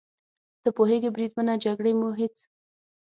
ته پوهېږې بریدمنه، له جګړې مو هېڅ.